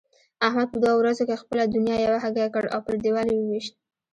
احمد په دوو ورځو کې خپله دونيا یوه هګۍکړ او پر دېوال يې وويشت.